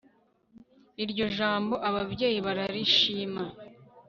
iryo jambo ababyeyi bararishima